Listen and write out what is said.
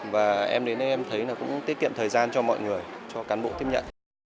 và em đến đây em thấy là cũng tiết kiệm thời gian cho mọi người cho cán bộ tiếp nhận